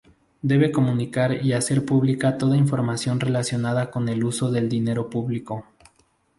Debe comunicar y hacer pública toda información relacionada con el uso del dinero público.